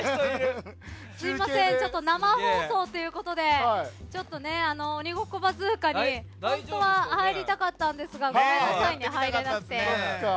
すいません生放送ということで「鬼ごっこバズーカ」に本当は入りたかったんですがごめんなさいね、入れなくて。